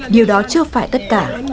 điều đó chưa phải tất cả